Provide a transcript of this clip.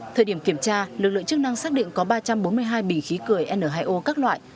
thời điểm kiểm tra lực lượng chức năng xác định có ba trăm bốn mươi hai bình khí cười n hai o các loại